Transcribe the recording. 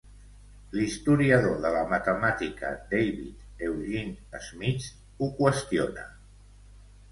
L'historiador de la matemàtica David Eugene Smith ho qüestiona.